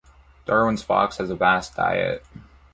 Darwin's fox has a vast diet.